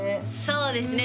そうですね